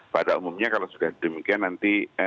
pada umumnya kalau sudah demikian nanti